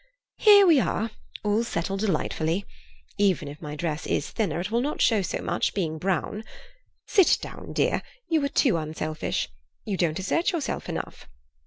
"Here we are, all settled delightfully. Even if my dress is thinner it will not show so much, being brown. Sit down, dear; you are too unselfish; you don't assert yourself enough."